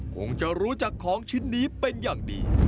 คงจะรู้จักของชิ้นนี้เป็นอย่างดี